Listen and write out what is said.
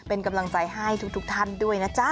เป็นกำลังใจให้ทุกท่านด้วยนะจ๊ะ